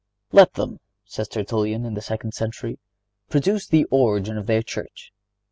"Let them," says Tertullian, in the second century, "produce the origin of their church.